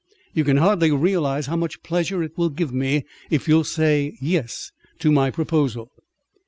"You can hardly realize how much pleasure it will give me if you'll say 'yes' to my proposal.